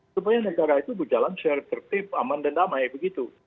supaya negara itu berjalan secara tertib aman dan damai begitu